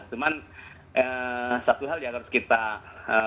cuman satu hal yang harus kita lakukan